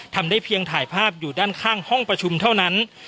ทำได้เพียงถ่ายภาพอยู่ด้านข้างห้องประชุมเท่านั้น